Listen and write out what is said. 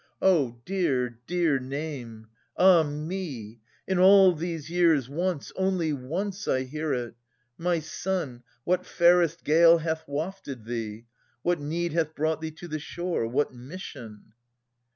O dear, dear name ! Ah me ! In all these years, once, only once, I hear it ! My son, what fairest gale hath wafted thee ? What need hath brought thee to the shore ? What mission